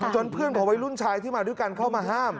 เพื่อนของวัยรุ่นชายที่มาด้วยกันเข้ามาห้าม